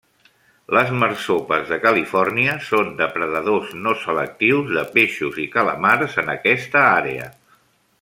Les marsopes de Califòrnia són depredadors no selectius de peixos i calamars en aquesta àrea.